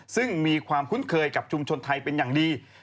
ซึ่งมีความคุ้นเคยกับชุมชนไทยเป็นอย่างดี